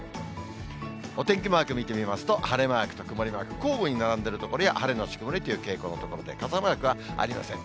お天気マーク見てみますと、晴れマークと曇りマーク、交互に並んでる所や、晴れ後曇りという傾向の所で、傘マークはありません。